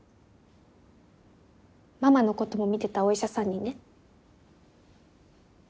ママのことも診てたお医者さんにね。